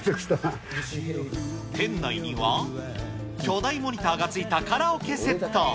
店内には、巨大モニターがついたカラオケセット。